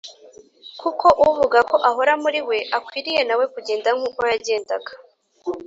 kuko uvuga ko ahora muri we akwiriye na we kugenda nk’uko yagendaga.